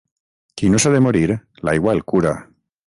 Qui no s'ha de morir, l'aigua el cura.